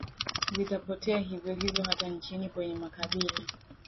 zitapotea hivyo hivyo hata nchini kenya makabila